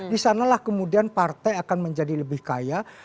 di sanalah kemudian partai akan menjadi lebih kaya